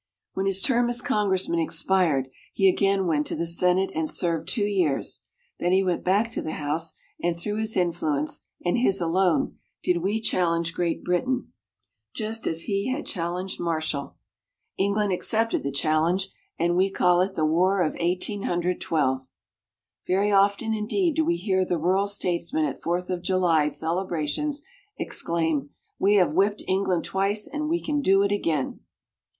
When his term as Congressman expired, he again went to the Senate, and served two years. Then he went back to the House, and through his influence, and his alone, did we challenge Great Britain, just as he had challenged Marshall. England accepted the challenge, and we call it the War of Eighteen Hundred Twelve. Very often, indeed, do we hear the rural statesmen at Fourth of July celebrations exclaim, "We have whipped England twice, and we can do it again!"